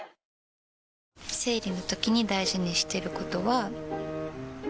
生理のときに大事にしてることは。